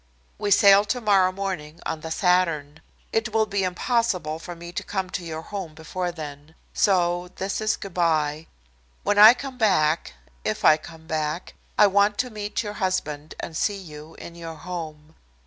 "We sail tomorrow morning on the Saturn. It will be impossible for me to come to your home before then. So this is good by. When I come back, if I come back, I want to meet your husband and see you in your home.